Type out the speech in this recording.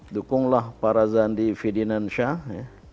dukunglah para zandi fidinan shah ya